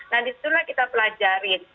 nah disitulah kita pelajari